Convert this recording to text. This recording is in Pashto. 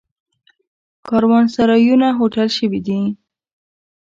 کاروانسرایونه هوټل شوي دي.